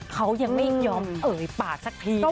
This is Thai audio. เขายังไม่ยอมเอ่ยปากสักที